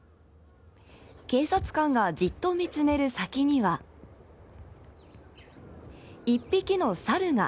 警察官がじっと見つめる先には１匹の猿が。